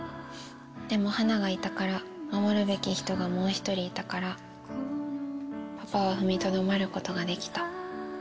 でも、はながいたから、守るべき人がもう１人いたから、パパは踏みとどまることができた。